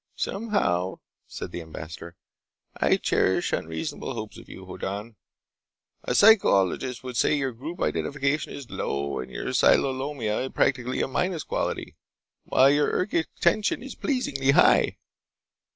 "Somehow," said the ambassador, "I cherish unreasonable hopes of you, Hoddan. A psychologist would say that your group identification is low and your cyclothymia practically a minus quantity, while your ergic tension is pleasingly high.